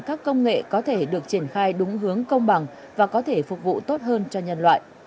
các công nghệ có thể được triển khai đúng hướng công bằng và có thể phục vụ tốt hơn cho nhân loại